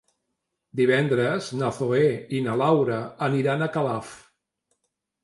Divendres na Zoè i na Laura aniran a Calaf.